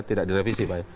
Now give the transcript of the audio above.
tidak direvisi pak ya